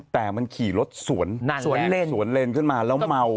แต่มันขี่รถสวนเล่นสวนเลนขึ้นมาแล้วเมา